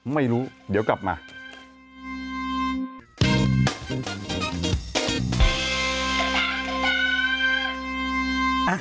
ไม่รู้เดี๋ยวกลับมา